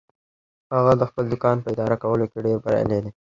هغه د خپل دوکان په اداره کولو کې ډیر بریالی ده